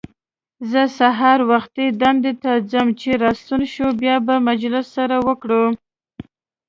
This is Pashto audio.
زه سهار وختي دندې ته ځم، چې راستون شوې بیا به مجلس سره وکړو.